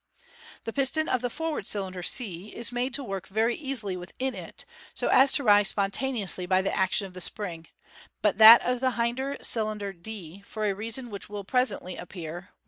The piston of the forward cylinder c is made to work very easily within it, so as to rise spontaneously by the action of the spring; but riiat of the hinder cylinder, d, for a reason which will presently appear, Fig.